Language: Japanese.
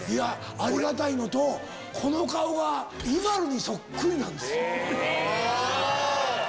ありがたいのとこの顔がＩＭＡＬＵにそっくりなんですよ。